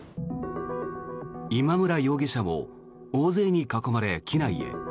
今村容疑者も大勢に囲まれ機内へ。